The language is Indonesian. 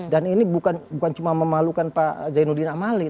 dan ini bukan cuma memalukan pak zainuddin amali